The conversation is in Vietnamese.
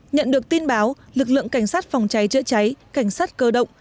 nhận được tin báo lực lượng cảnh sát phòng cháy chữa cháy cảnh sát cơ động